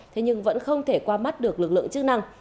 thế nhưng vẫn không thể qua mắt được lực lượng chức năng